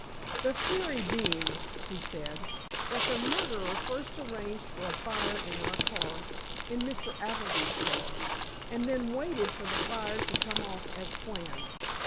"The theory being," he said, "that the murderer first arranged for a fire in our car—in Mr. Appleby's car—and then waited for the fire to come off as planned.